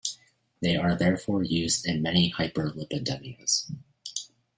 They are therefore used in many hyperlipidemias.